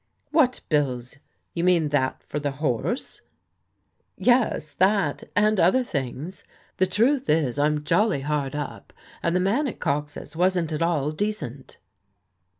" What bills ? You mean that for the horse ?" "Yes, that and other things. The truth is I'm jolly hard up, and the man at Cox's wasn't at all decent."